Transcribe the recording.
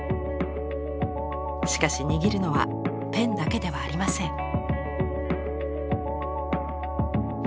しかし握るのはペンだけではありません。